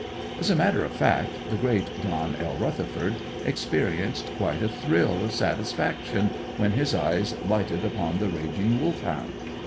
As a matter of fact, the great John L. Rutherford experienced quite a thrill of satisfaction when his eyes lighted upon the raging Wolfhound.